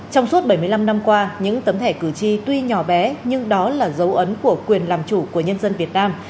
trong suốt bảy mươi năm năm qua những tấm thẻ cử tri tuy nhỏ bé nhưng đó là dấu ấn của quyền làm chủ của nhân dân việt nam